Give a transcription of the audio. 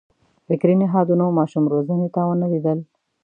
فکري نهادونو ماشوم روزنې ته ونه لېدل.